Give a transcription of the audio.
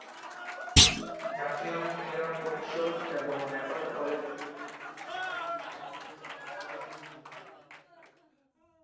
জাতীয় ক্রীড়া পরিষদ এবং নেপাল অলিম্পিক কমিটির সাথে এই জাদুঘর সরাসরি যুক্ত।